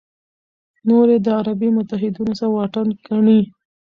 نور یې د عربي متحدینو سره واټن ګڼي.